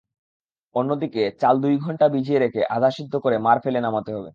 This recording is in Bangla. অন্যদিকে চাল দুই ঘণ্টা ভিজিয়ে রেখে আধা সিদ্ধ করে মাড় ফেলে নামাতে হবে।